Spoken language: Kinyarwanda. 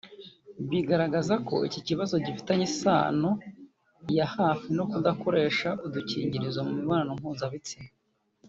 bigaragaza ko iki kibazo gifitanye isano ya hafi no kudakoresha udukingirizo mu mibonano mpuzabitsina